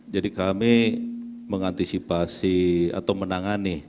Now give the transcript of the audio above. jadi kami mengantisipasi atau menangani